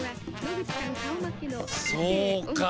そうか。